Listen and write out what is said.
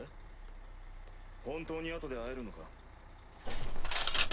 本当に後で会えるのか？